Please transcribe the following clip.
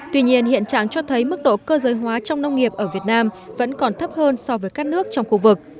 tuy nhiên hiện trạng cho thấy mức độ cơ giới hóa trong nông nghiệp ở việt nam vẫn còn thấp hơn so với các nước trong khu vực